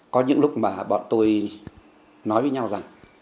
có những lúc mà bọn tôi nói với nhau rằng